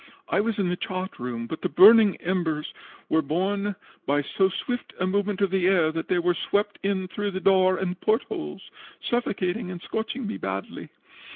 I was in the chart room, but the burning embers were borne by so swift a movement of the air that they were swept in through the door and port holes, suffocating and scorching me badly.